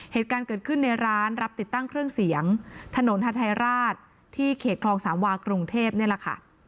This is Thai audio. เหตุการณ์เกิดขึ้นในร้านรับติดตั้งเครื่องเสียงถนนฮาทายราชที่เขตคลองสามวากรุงเทพนี่แหละค่ะ